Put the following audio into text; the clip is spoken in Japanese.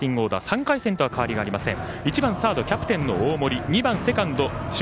３回戦と変わりありません。